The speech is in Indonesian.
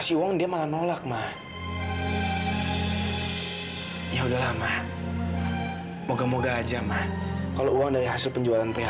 sampai jumpa di video selanjutnya